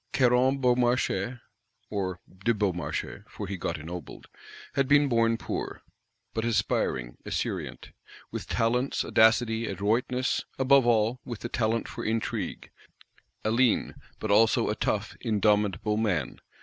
Caron Beaumarchais (or de Beaumarchais, for he got ennobled) had been born poor, but aspiring, esurient; with talents, audacity, adroitness; above all, with the talent for intrigue: a lean, but also a tough, indomitable man.